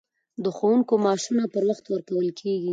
د ښوونکو معاشونه پر وخت ورکول کیږي؟